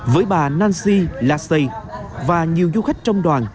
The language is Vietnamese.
với bà nancy lassay và nhiều du khách trong đoàn